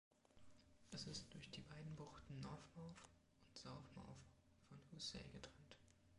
Es ist durch die beiden Buchten North Mouth und South Mouth von Housay getrennt.